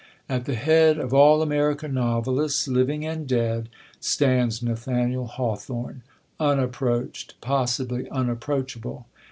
At the head of all American novelists, living and dead, stands Nathaniel Hawthorne, unapproached, possibly unapproachable.